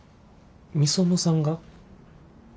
御園さんが？